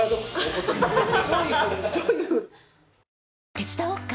手伝おっか？